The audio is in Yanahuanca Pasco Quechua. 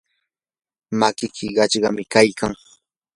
makiki qachqam kaykan.